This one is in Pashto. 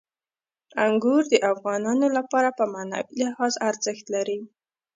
انګور د افغانانو لپاره په معنوي لحاظ ارزښت لري.